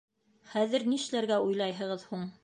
— Хәҙер нишләргә уйлайһығыҙ һуң?